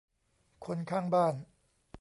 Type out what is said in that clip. คนข้างบ้าน